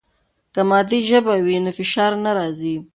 که مادي ژبه وي نو فشار نه راځي.